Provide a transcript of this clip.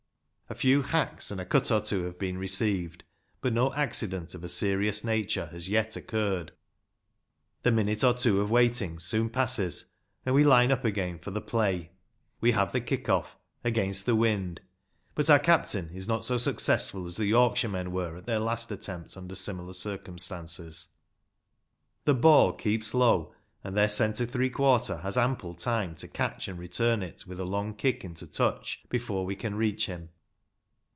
A few hacks and a cut or two have been received, but no accident of a serious nature has yet occurred. The minute or two of waiting soon passes, and we line up again for the play. We have the kick off ‚ÄĒ against the wind ; but our captain is not so successful as the Yorkshiremen were at their last attempt under similar circumstances. The ball keeps low, and their centre three quarter has ample time to catch and return it with a long kick into touch before we can reach him.